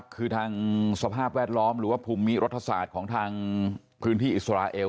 คือทางสภาพแวดล้อมหรือว่าภูมิรัฐศาสตร์ของทางพื้นที่อิสราเอล